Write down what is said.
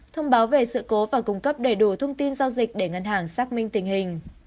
thông báo về sự cố và cung cấp đầy đủ thông tin giao dịch để ngân hàng xác minh tình hình